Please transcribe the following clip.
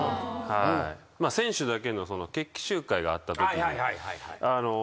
選手だけの決起集会があったときに。